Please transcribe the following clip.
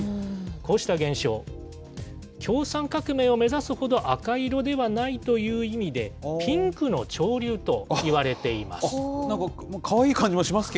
こうした現象、共産革命を目指すほど赤色ではないという意味で、なんかかわいい感じもします